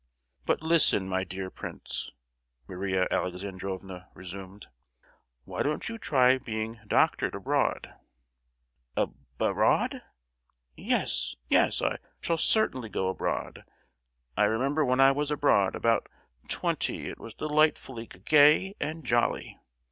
"But listen, my dear prince!" Maria Alexandrovna resumed, "why don't you try being doctored abroad?" "Ab—road? Yes, yes—I shall certainly go abroad. I remember when I was abroad, about '20; it was delightfully g—gay and jolly.